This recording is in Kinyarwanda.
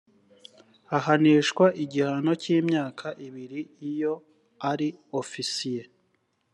ahanishwa igihano cyimyaka ibiri iyo ari ofisiye